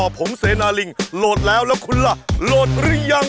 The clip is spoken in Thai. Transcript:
ผมเสนาลิงโหลดแล้วแล้วคุณล่ะโหลดหรือยัง